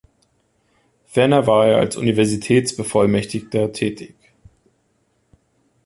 Ferner war er als Universitäts-Bevollmächtigter tätig.